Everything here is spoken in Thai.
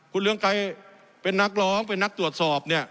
คุณเรืองไกรเป็นนักร้องเป็นนักตรวจสอบเนี่ย